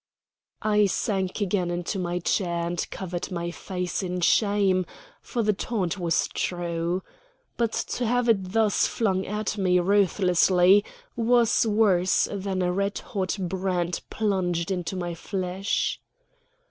I sank again into my chair and covered my face in shame, for the taunt was true. But to have it thus flung at me ruthlessly was worse than a red hot brand plunged into my flesh.